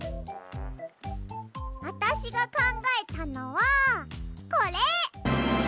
あたしがかんがえたのはこれ！